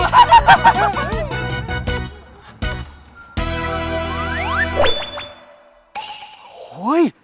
โอ้โห